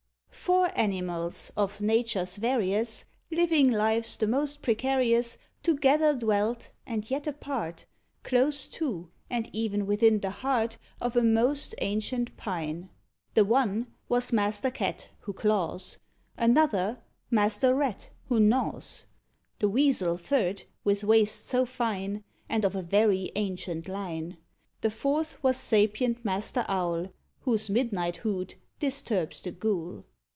Four animals, of natures various, Living lives the most precarious, Together dwelt, and yet apart, Close to, and e'en within the heart Of a most ancient pine. The one was Master Cat, who claws; Another, Master Rat, who gnaws; The Weasel third, with waist so fine, And of a very ancient line. The fourth was sapient Master Owl, Whose midnight hoot disturbs the ghoul.